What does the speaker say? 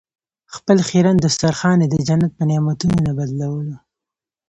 خپل خیرن دسترخوان یې د جنت په نعمتونو نه بدلولو.